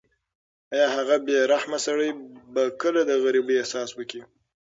ایا هغه بې رحمه سړی به کله د غریبۍ احساس وکړي؟